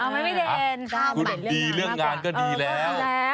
ไม่ได้เด่นคุณดีเรื่องงานก็ดีแล้ว